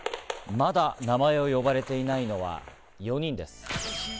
まだ名前を呼ばれていないのは４人です。